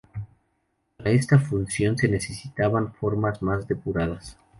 Para esta función se necesitaban formas más depuradas.